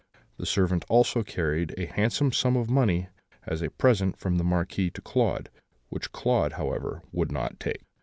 The servant also carried a handsome sum of money as a present from the Marquis to Claude; which Claude, however, would not take.